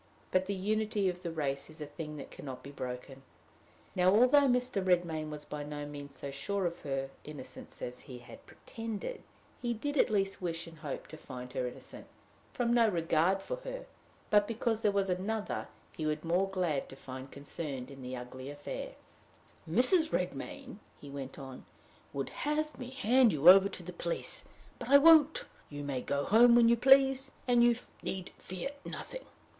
But the unity of the race is a thing that can not be broken. Now, although Mr. Redmain was by no means so sure of her innocence as he had pretended, he did at least wish and hope to find her innocent from no regard for her, but because there was another he would be more glad to find concerned in the ugly affair. "Mrs. Redmain," he went on, "would have me hand you over to the police; but I won't. You may go home when you please, and you need fear nothing."